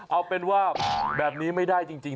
เอาเป็นว่าแบบนี้ไม่ได้จริง